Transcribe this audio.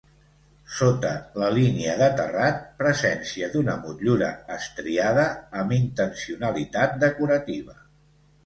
Sota la línia de terrat, presència d'una motllura estriada amb intencionalitat decorativa.